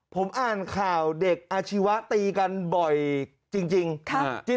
ผมอ่านข่าวเด็กอาชีวะตีกันบ่อยจริง